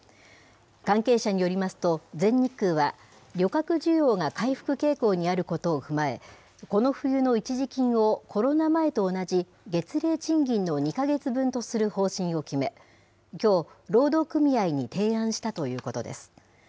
関係者によりますと、全日空は旅客需要が回復傾向にあることを踏まえ、この冬の一時金を、コロナ前と同じ月例賃金の２か月分とする方針を決め、きょう、労働組合に提案したということです。